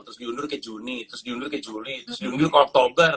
terus diundur ke juni terus diundur ke juli terus diundur ke oktober